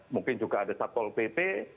mungkin juga ada satpol pp